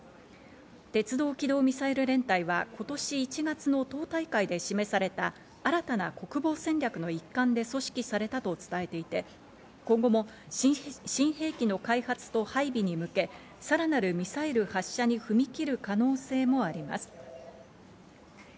鉄道機動ミサイル連隊は今年１月の党大会で示された新たな国防戦略の一環で組織されたと伝えていて、今後も新兵器の開発と配備に向け、さらなるミサイル発射に踏み切る可能性もあります。